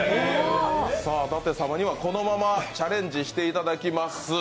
舘様にはこのままチャレンジしていただきます。